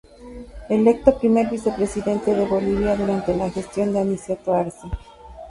Electo Primer Vicepresidente de Bolivia durante la gestión de Aniceto Arce.